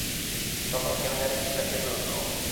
তখন কেন জানি বুকটা কেঁপে উঠল।